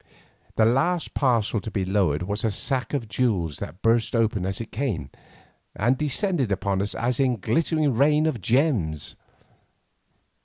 The last parcel to be lowered was a sack of jewels that burst open as it came, and descended upon us in a glittering rain of gems.